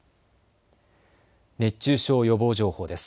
熱中症予防情報です。